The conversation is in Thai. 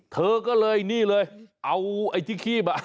เธอก็เลยนี่เลยเอาไอ้ที่คีบ